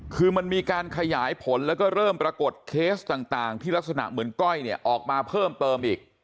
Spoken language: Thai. คือมันมีการขยายผลแล้วก็เริ่มปรากฏเคสต่างที่ลักษณะเหมือนก้อยเนี่ยออกมาเพิ่มเติมอีก